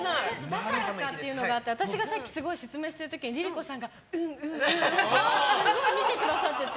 だからかっていうのがあって私がさっき説明する時にＬｉＬｉＣｏさんがうん、うんってすごい見てくださってて。